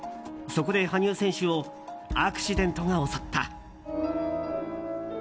そこで羽生選手をアクシデントが襲った。